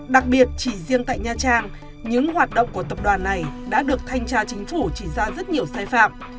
đặc biệt chỉ riêng tại nha trang những hoạt động của tập đoàn này đã được thanh tra chính phủ chỉ ra rất nhiều sai phạm